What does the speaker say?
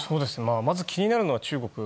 まず気になるのは中国。